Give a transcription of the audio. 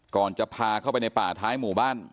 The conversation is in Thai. ก่อนจะพาเข้าไปในป่าท้ายหมู่บ้าน